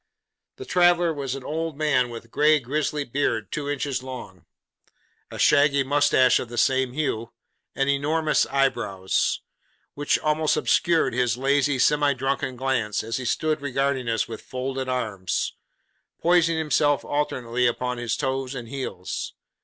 The traveller was an old man with a grey gristly beard two inches long, a shaggy moustache of the same hue, and enormous eyebrows; which almost obscured his lazy, semi drunken glance, as he stood regarding us with folded arms: poising himself alternately upon his toes and heels.